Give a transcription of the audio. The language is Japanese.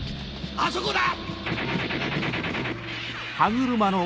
あそこだ！